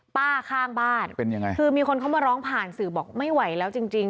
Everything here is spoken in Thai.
ข้างบ้านเป็นยังไงคือมีคนเขามาร้องผ่านสื่อบอกไม่ไหวแล้วจริงจริง